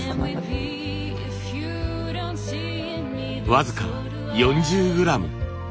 僅か４０グラム。